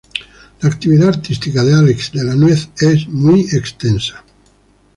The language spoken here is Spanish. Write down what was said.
La actividad artística de Álex de la Nuez es muy extensa.